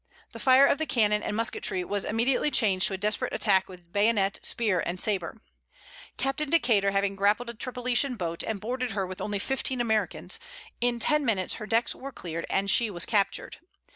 The fire of the cannon and musketry was immediately changed to a desperate attack with bayonet, spear and sabre. Captain Decater having grappled a Tripolitan boat, and boarded her with only fifteen Americans, in ten minutes her decks were cleared and she was captured.